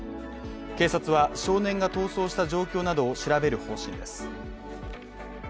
警察は少年が逃走した状況などを調べる方針です。